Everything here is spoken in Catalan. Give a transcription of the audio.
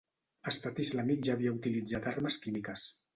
Estat Islàmic ja havia utilitzat armes químiques.